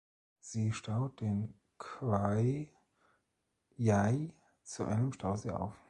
Sie staut den Khwae Yai zu einem Stausee auf.